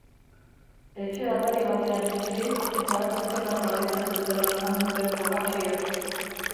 Etxe atari batean eseri, eta hizketan jarraitzen dutela jan dute focaccia.